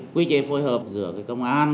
quy chế phối hợp giữa công an